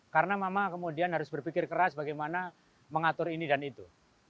karena mama kemudian harus berpikir keras bagaimana mengatur ini dan itu